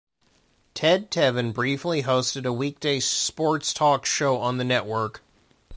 Ted Tevan briefly hosted a weekday sports talk show on the network.